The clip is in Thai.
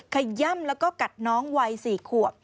ขย่ำแล้วก็กัดน้องวัย๔ขวบ